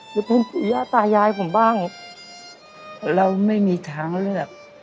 หรือเป็นปู่ย่าตายายผมบ้างแล้วไม่มีทางเลือก